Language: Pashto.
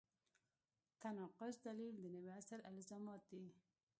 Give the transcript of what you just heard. تناقض دلیل د نوي عصر الزامات دي.